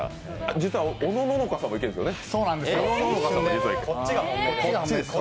実はおのののかさんもいけるんですよね？